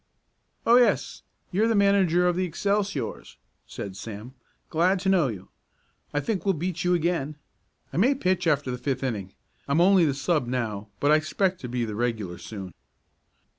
"Oh, yes, you're the manager of the Excelsiors," said Sam. "Glad to know you. I think we'll beat you again. I may pitch after the fifth inning. I'm only the sub now, but I expect to be the regular soon."